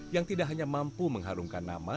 yang tidak hanya mampu mengharumkan nama